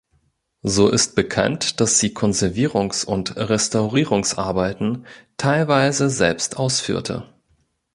So ist bekannt, dass sie Konservierungs- und Restaurierungsarbeiten teilweise selbst ausführte.